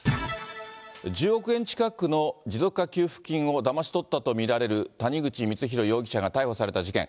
１０億円近くの持続化給付金をだまし取ったと見られる谷口光弘容疑者が逮捕された事件。